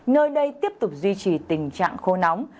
nơi đây tiếp tục duy trì tình trạng khô nóng